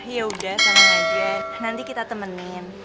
yaudah sama aja nanti kita temenin